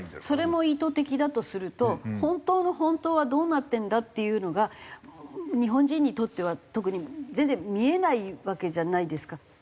それも意図的だとすると本当の本当はどうなってんだっていうのが日本人にとっては特に全然見えないわけじゃないですか。